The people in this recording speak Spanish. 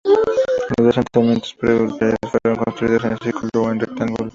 Los asentamientos pre-uriartanos fueron construidos en círculo o en rectángulo.